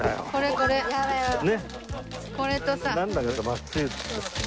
これとさ。